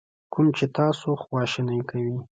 کوم چې تاسو خواشینی کوي.